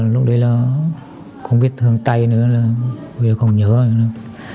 lúc đấy là không biết thương tay nữa bây giờ không nhớ nữa